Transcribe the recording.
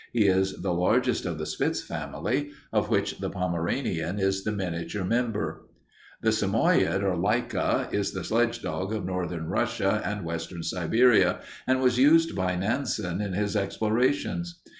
He is the largest of the spitz family, of which the Pomeranian is the miniature member. "The Samoyede or laika is the sledge dog of northern Russia and western Siberia and was used by Nansen in his explorations.